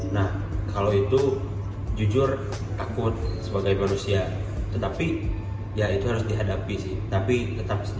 nah kalau itu jujur akut sebagai manusia tetapi ya itu harus dihadapi sih tapi tetap